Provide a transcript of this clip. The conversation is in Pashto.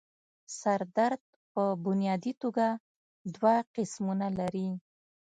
سر درد پۀ بنيادي توګه دوه قسمونه لري